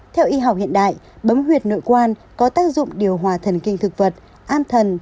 theo y học hiện đại bấm huyệt nội quan có tác dụng điều hòa thần kinh thực vật an thần